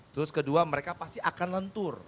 terus kedua mereka pasti akan lentur